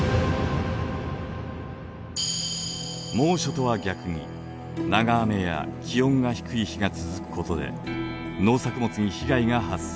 猛暑とは逆に長雨や気温が低い日が続くことで農作物に被害が発生。